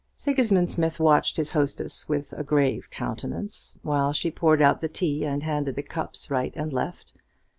Sigismund Smith watched his hostess with a grave countenance, while she poured out the tea and handed the cups right and left.